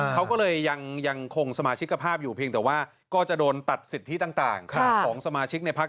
เขาก็เลยยังคงสมาชิกภาพอยู่เพียงแต่ว่าก็จะโดนตัดสิทธิต่างของสมาชิกในพัก